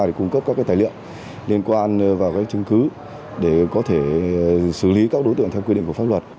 để cung cấp các tài liệu liên quan vào các chứng cứ để có thể xử lý các đối tượng theo quy định của pháp luật